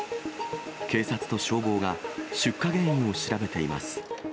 警察と消防が出火原因を調べています。